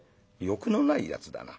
「欲のないやつだな。